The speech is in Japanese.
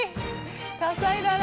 多才だな。